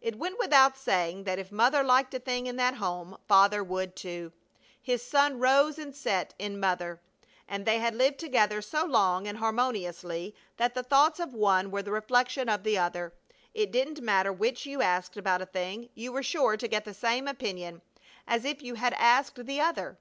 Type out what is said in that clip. It went without saying that if Mother liked a thing in that home Father would, too. His sun rose and set in Mother, and they had lived together so long and harmoniously that the thoughts of one were the reflection of the other. It didn't matter which, you asked about a thing, you were sure to get the same opinion as if you had asked the other.